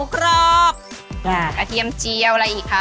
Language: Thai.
กระเทียมเจียวอะไรอีกคะ